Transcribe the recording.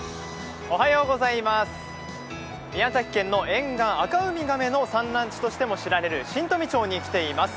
宮崎県の沿岸、アカウミガメの産卵地としても知られる新富町に来ています。